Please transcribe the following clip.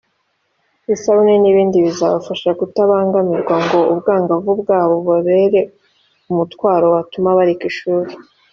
isabune n’ibindi bizabafasha kutabangamirwa ngo ubwangavu bwabo bubabere umutwaro watuma bareka ishuri